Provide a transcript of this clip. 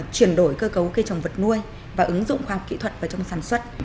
chuyển đổi cơ cấu cây trồng vật nuôi và ứng dụng khoa học kỹ thuật vào trong sản xuất